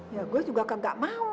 ya gue juga kagak mau